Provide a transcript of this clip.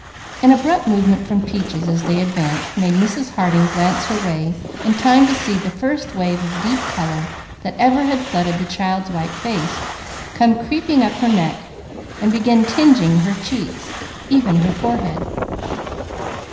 An abrupt movement from Peaches as they advanced made Mrs. Harding glance her way in time to see the first wave of deep colour that ever had flooded the child's white face, come creeping up her neck and begin tinging her cheeks, even her forehead.